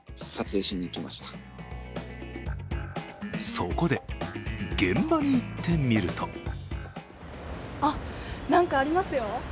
そこで、現場に行ってみるとあっ、何かありますよ。